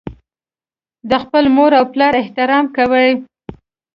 د خپل مور او پلار احترام کوي.